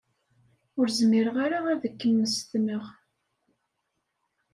Ur zmireɣ ara ad k-mmestneɣ.